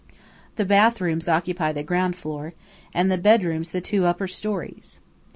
The bathrooms occupy the ground floor, and the bedrooms the two upper storeys.